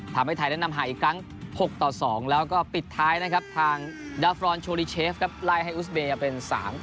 ทำให้ไทยแนะนำหาอีกครั้ง๖ต่อ๒แล้วก็ปิดท้ายนะครับทางดาฟรอนโชลิเชฟครับไล่ให้อุสเบย์เป็น๓๐